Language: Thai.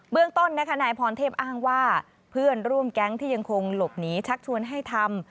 เรื่องต้นนะคะนายพรเทพอ้างว่าเพื่อนร่วมแก๊งที่ยังคงหลบหนีชักชวนให้ทำ